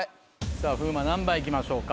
さぁ風磨何番いきましょうか？